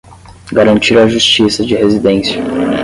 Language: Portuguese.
Garantir a justiça de residência